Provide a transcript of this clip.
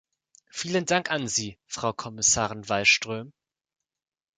Vielen Dank an Sie, Frau Kommissarin Wallström.